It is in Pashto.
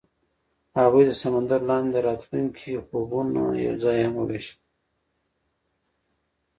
هغوی د سمندر لاندې د راتلونکي خوبونه یوځای هم وویشل.